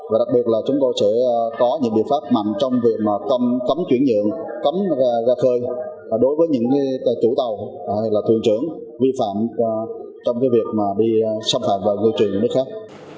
và đặc biệt là chúng tôi sẽ có những biện pháp mạnh trong việc cấm chuyển nhượng cấm ra khơi đối với những chủ tàu hay là thường trưởng vi phạm trong việc đi xâm phạm và lưu truyền nước khác